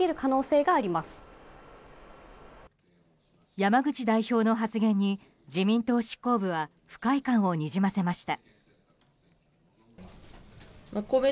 山口代表の発言に自民党執行部は不快感をにじませました。